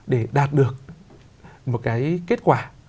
để đạt được một cái kết quả